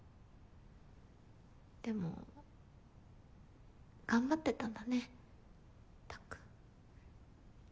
でも頑張ってたんだねたっくん。